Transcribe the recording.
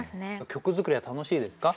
曲作りは楽しいですか？